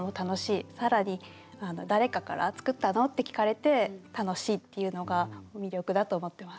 更に誰かから「作ったの？」って聞かれて楽しいっていうのが魅力だと思ってます。